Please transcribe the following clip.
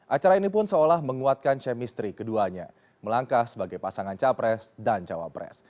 acara ini pun seolah menguatkan chemistry keduanya melangkah sebagai pasangan capres dan cawapres